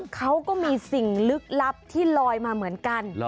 เขาก็มีสิ่งลึกลับที่ลอยมาเหมือนกัน